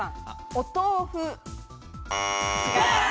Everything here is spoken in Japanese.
お豆腐。